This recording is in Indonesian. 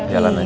jalan aja ya